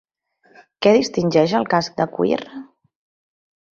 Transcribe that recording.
Què distingeix el casc de cuir?